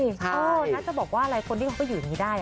น่าจะบอกว่าอะไรคนที่เขาก็อยู่อย่างนี้ได้